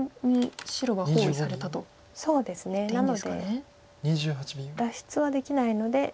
なので脱出はできないので。